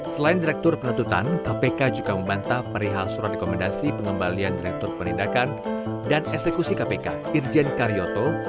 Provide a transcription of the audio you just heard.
selain direktur penuntutan kpk juga membantah perihal surat rekomendasi pengembalian direktur penindakan dan eksekusi kpk irjen karyoto